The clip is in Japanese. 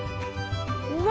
うわ！